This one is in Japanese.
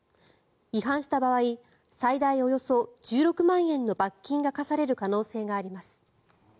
違反した場合最大およそ１６万円の罰金が科される可能性があります。